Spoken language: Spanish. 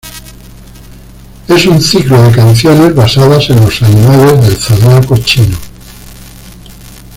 Es un ciclo de canciones basadas en los animales del Zodíaco chino.